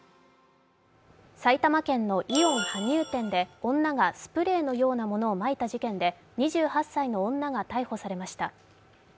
埼玉県のイオン羽生店で女がスプレーのようなものをまいた事件で２８歳の女が逮捕されました。